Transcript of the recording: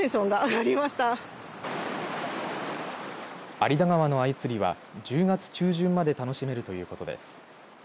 有田川のあゆ釣りは１０月中旬まで楽しめるということです。